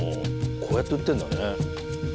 こうやって売ってんだね。